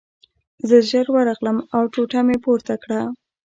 زه ژر ورغلم او ټوټه مې پورته کړه